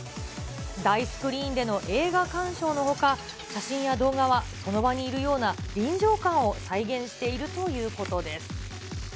大スクリーンでの映画鑑賞のほか、写真や動画はその場にいるような臨場感を再現しているということです。